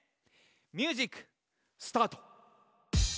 ミュージックスタート！